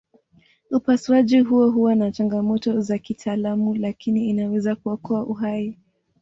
Upasuaji huo huwa na changamoto za kitaalamu lakini inaweza kuokoa uhai.